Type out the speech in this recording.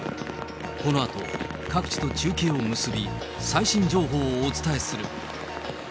このあと、各地と中継を結び、最新情報をお伝えする。